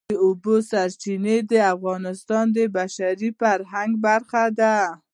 د اوبو سرچینې د افغانستان د بشري فرهنګ برخه ده.